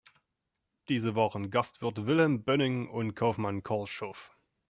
Diese waren Gastwirt Wilhelm Böning und Kaufmann Karl Schoof.